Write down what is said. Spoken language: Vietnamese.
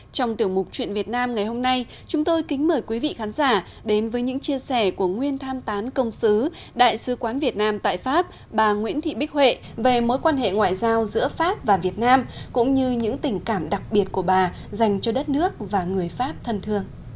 trong tiểu mục chuyện việt nam ngày hôm nay chúng tôi kính mời quý vị khán giả đến với những chia sẻ của nguyên tham tán công sứ đại sứ quán việt nam tại pháp bà nguyễn thị bích huệ về mối quan hệ ngoại giao giữa pháp và việt nam cũng như những tình cảm đặc biệt của bà dành cho đất nước và người pháp thân thương